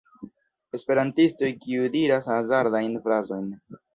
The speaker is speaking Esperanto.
Esperantistoj kiu diras hazardajn frazojn